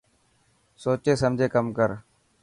سوچي سمجهي ڪم ڪر.